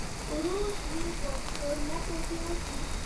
ورور یې په ټورنټو کې اوسي.